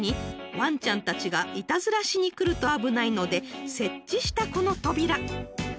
ワンちゃんたちがいたずらしに来ると危ないので設置したこの扉］